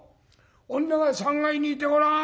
女が３階にいてごらん。